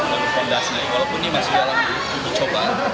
rekomendasi walaupun ini masih dalam uji coba